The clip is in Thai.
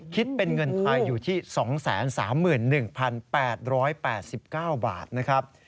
คิดเป็นเงินไทยอยู่ที่๒๓๑๘๘๙บาทนะครับ